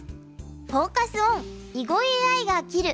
フォーカス・オン「囲碁ＡＩが斬る！